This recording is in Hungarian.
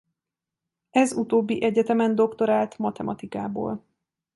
Ez utóbbi egyetemen doktorált matematikából.